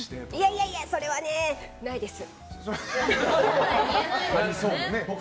いやいや、それはねないです！